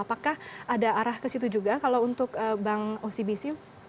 apakah ada arah ke situ juga kalau untuk bank ocbc